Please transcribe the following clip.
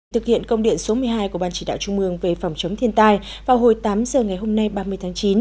thực hiện công điện số một mươi hai của ban chỉ đạo trung mương về phòng chống thiên tai vào hồi tám giờ ngày hôm nay ba mươi tháng chín